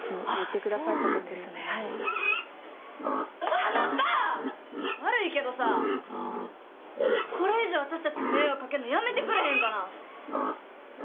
あのさ、悪いけどさ、これ以上、私たちに迷惑かけるのやめてくれへんかな。